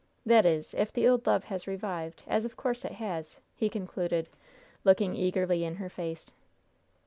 That is, if the old love has revived, as of course it has," he concluded, looking eagerly in her face.